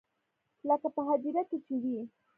لکه په هديره کښې چې وي.